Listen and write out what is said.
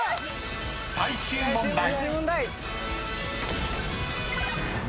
［最終問題］